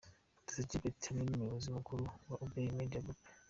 Producer Gilbert hamwe n'umuyobozi mukuru wa Abbey Media group.